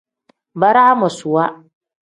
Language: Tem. Baramaasuwa.